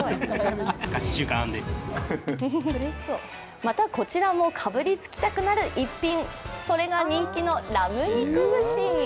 また、こちらもかぶりつきたくなる一品、それが人気のラム肉串。